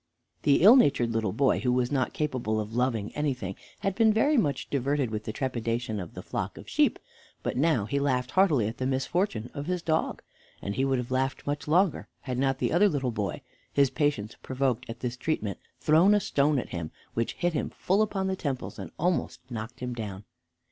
The ill natured little boy, who was not capable of loving anything, had been very much diverted with the trepidation of the flock of sheep, but now he laughed heartily at the misfortune of his dog, and he would have laughed much longer had not the other little boy, his patience provoked at this treatment, thrown a stone at him, which hit him full upon the temples and almost knocked him down.